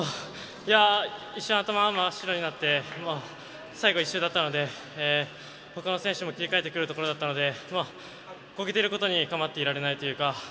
一瞬、頭、真っ白になって最後１周だったのでほかの選手も切り替えてくるところだったのでこけてることにかまっていられないというか。